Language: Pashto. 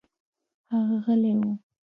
هغه غلى و.